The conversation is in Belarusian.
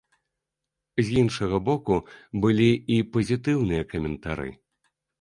З іншага боку, былі і пазітыўныя каментары.